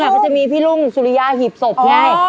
ลูกลุ้งก็จะมีพี่ลุงสุริยาหีบศพไง